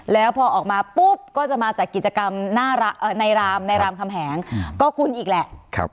แล้วพอออกมาปุ๊บก็จะมาจัดกิจกรรมในรามคำแหงก็คุณอีกแหละ